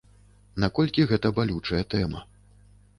Наколькі гэта балючая тэма.